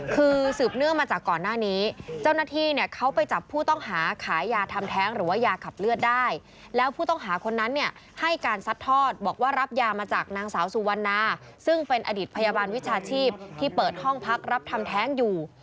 คือสืบเนื่องมาจากก่อนหน้านี้เจ้าหน้าที่เนี่ยเขาไปจับผู้ต้องหาขายยาทำแท้งหรือว่ายาขับเลือดได้แล้วผู้ต้องหาคนนั้นเนี่ยให้การซัดทอดบอกว่ารับยามาจากนางสาวสุวรรณาซึ่งเป็นอดีตพยาบาลวิชาชีพที่เปิดห้องพักรับทำแท้งอยู่